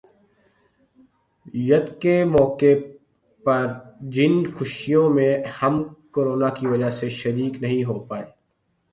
ید کے موقع پر جن خوشیوں میں ہم کرونا کی وجہ سے شریک نہیں ہو پائے